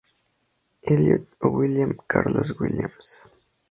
Eliot o William Carlos Williams.